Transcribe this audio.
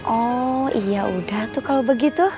oh iya udah tuh kalau begitu